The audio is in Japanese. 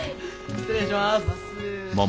失礼します。